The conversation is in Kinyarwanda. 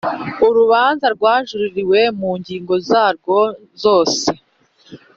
urubanza rwajuririwe mu ngingo zarwo zose